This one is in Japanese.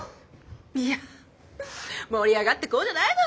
いや盛り上がっていこうじゃないの！